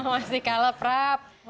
masih kalah prab